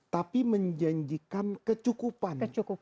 tapi menjanjikan kecukupan